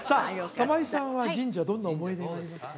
玉井さんは神社どんな思い出がありますか？